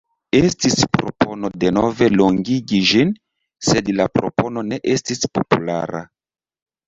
Estis propono denove longigi ĝin, sed la propono ne estis populara.